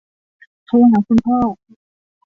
โทรหาคุณพ่อ